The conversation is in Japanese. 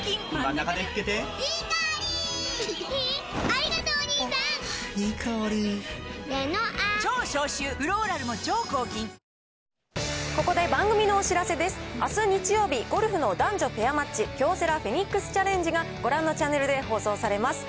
あす日曜日、ゴルフの男女ペアマッチ、京セラフェニックスチャレンジが、ご覧のチャンネルで放送されます。